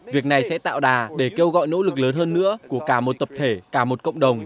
việc này sẽ tạo đà để kêu gọi nỗ lực lớn hơn nữa của cả một tập thể cả một cộng đồng